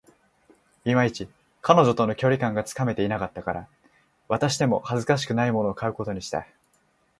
いまいち、彼女との距離感がつかめていなかったから、渡しても恥ずかしくないものを買うことにした